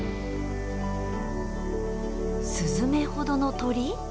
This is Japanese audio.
スズメほどの鳥？